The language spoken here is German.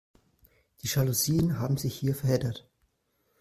Die Jalousien haben sich hier verheddert.